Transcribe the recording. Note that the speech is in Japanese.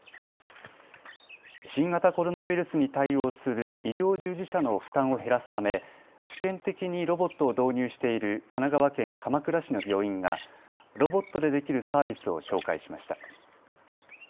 新型コロナウイルスに対応する医療従事者の負担を減らすため試験的にロボットを導入している神奈川県鎌倉市の病院がロボットでできるサービスを紹介しました。